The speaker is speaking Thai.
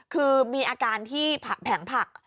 คือมีอาการที่แผงผัก